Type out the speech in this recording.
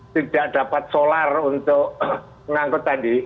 tidak dapat solar untuk mengangkut tadi